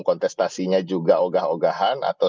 kontestasinya juga ogah ogahan atau